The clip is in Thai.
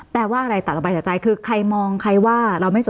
แปลว่าอะไรตัดระบายจากใจคือใครมองใครว่าเราไม่สน